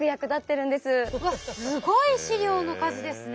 うわすごい資料の数ですね。